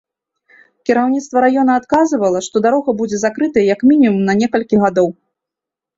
Кіраўніцтва раёна адказвала, што дарога будзе закрытая як мінімум на некалькі гадоў.